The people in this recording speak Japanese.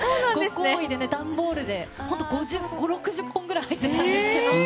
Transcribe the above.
ご厚意で段ボールで５０６０本ぐらい入ってたんですけど。